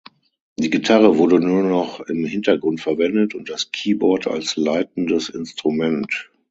Die Gitarre wurde nur noch im Hintergrund verwendet und das Keyboard als leitendes Instrument.